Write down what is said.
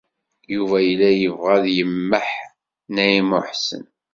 Yuba yella yebɣa ad yemmaḥ Naɛima u Ḥsen.